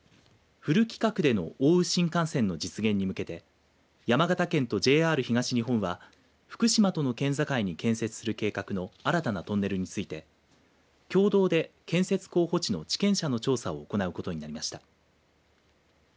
フル規格での奥羽新幹線の実現に向けて山形県とＪＲ東日本は福島との県境に建設する計画の新たなトンネルについて共同で建設候補地の地権者の調査を行うことになりました。